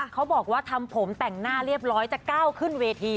เขาบอกว่าทำผมแต่งหน้าเรียบร้อยจะก้าวขึ้นเวที